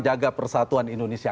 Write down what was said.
jaga persatuan indonesia